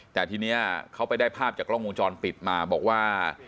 แต่ทีนี้เขาไปได้ภาพจากกล้องวงจรปิดมาบอกว่า